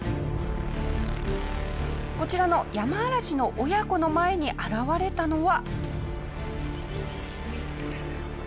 こちらのヤマアラシの親子の前に現れたのは。